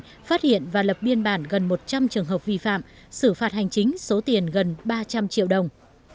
phát hiện và lập biên bản gần một trăm linh trường hợp vi phạm xử phạt hành chính số tiền gần ba trăm linh triệu đồng